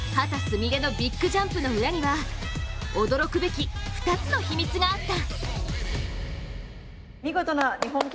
美鈴のビッグジャンプの裏には驚くべき２つの秘密があった。